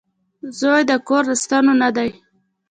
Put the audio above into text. • زوی د کور د ستنو نه دی.